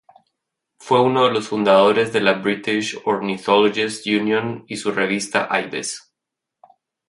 Fue uno de los fundadores de la British Ornithologists' Union y su revista "Ibis".